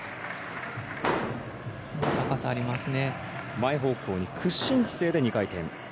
前方向に屈身姿勢で２回転。